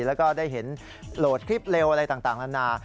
แล้วก็ได้เห็นโหลดคลิปเร็วอะไรต่างนานา